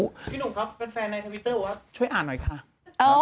พี่หนุ่มครับแฟนในทวิตเตอร์บอกว่าช่วยอ่านหน่อยค่ะ